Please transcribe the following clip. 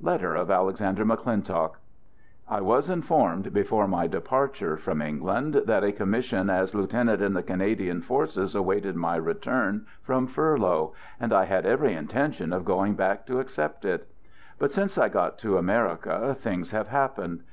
{Letter of Alexander McClintock) I was informed before my departure (from Eng land) that a commission as lieutenant in the Cana 163 Digitized by i6 4 "THE GOOD SOLDIER dian forces awaited my return from furlough, and I had every intention of going back to accept it. But since I got to America, things have happened.